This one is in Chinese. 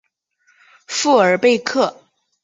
富尔贝克。